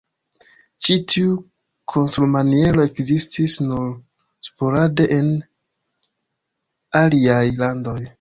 Ĉi tiu konstrumaniero ekzistis nur sporade en aliaj landoj.